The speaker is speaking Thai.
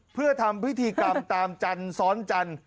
เพื่อทำพิธีกรรมตามจันทร์ซ้อนจันทร์